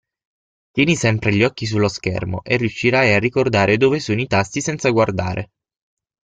Tieni sempre gli occhi sullo schermo, e riuscirai a ricordare dove sono i tasti senza guardare.